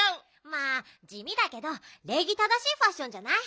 まあじみだけどれいぎ正しいファッションじゃない？